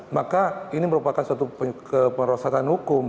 maka ini merupakan suatu keperosotan hukum